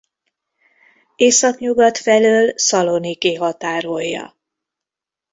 Északnyugat felől Szaloniki határolja.